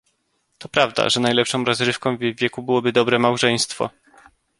"To prawda, że najlepszą rozrywką w jej wieku byłoby dobre małżeństwo."